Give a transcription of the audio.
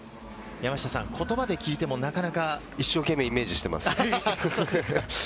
言葉で聞いても、なかなか一生懸命イメージしています。